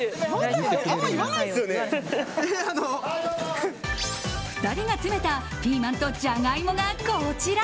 ２人が詰めたピーマンとジャガイモがこちら。